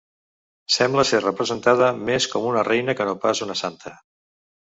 Sembla ser representada més com una reina que no pas una santa.